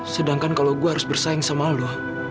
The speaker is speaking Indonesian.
sedangkan kalau gue harus bersaing sama lo